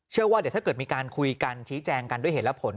ว่าเดี๋ยวถ้าเกิดมีการคุยกันชี้แจงกันด้วยเหตุและผล